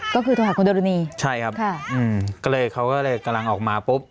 ก็คือโทรหาคุณเดรุณีใช่ครับค่ะอืมก็เลยเขาก็เลยกำลังออกมาปุ๊บ